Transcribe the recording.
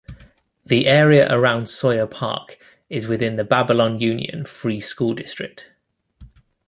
The area around Sawyer Park is within the Babylon Union Free School District.